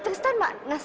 tristan mak nes